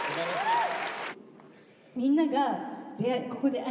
はい！